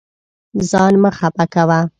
ځان مه خفه کوه.